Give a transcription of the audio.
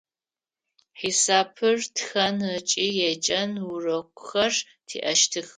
Хьисапыр, тхэн ыкӏи еджэн урокхэр тиӏэщтых.